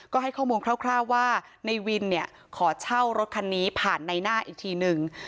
ก็ให้ข้อมูลคร่าวว่าในวินเนี่ยขอเช่ารถคันนี้ผ่านในหน้าอีกทีนึง